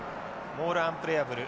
モールアンプレアブル。